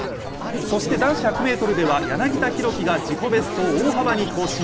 そして男子１００ｍでは柳田大輝が自己ベストを大幅に更新。